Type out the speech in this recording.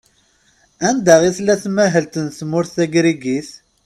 Anda i tella tmahelt n tmurt tagrigit?